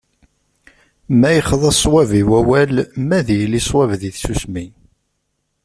Ma yexḍa sswab i wawal, ma ad yili sswab di tsusmi.